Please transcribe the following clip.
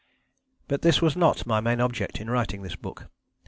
But this was not my main object in writing this book.